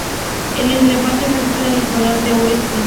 Este elefante está situado en el cuadrante oeste.